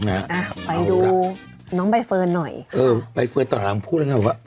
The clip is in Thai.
อ่ะไปดูน้องใบเฟิร์นหน่อยเออใบเฟิร์นตอนหลังพูดแล้วไงบอกว่า